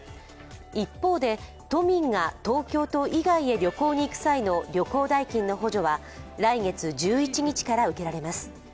一方で、都民が東京都以外へ旅行に行く際の旅行代金の補助は来月１１日から受けられます。